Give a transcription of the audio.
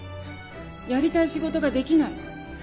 やりたい仕事ができない。